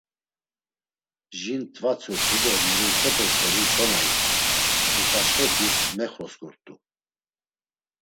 Jin t̆vatsurt̆u do muruntsxepe st̆eri çona ikuy, uǩaçxeti mexrosǩurt̆u.